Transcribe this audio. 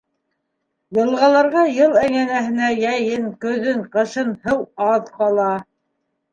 Йылғаларға йыл әйләнәһенә йәйен, көҙөн, ҡышын һыу аҙ ҡала.